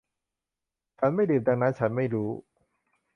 ฉันไม่ดื่มดังนั้นฉันไม่รู้